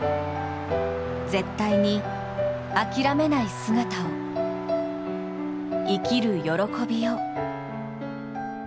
絶対に諦めない姿を、生きる喜びを。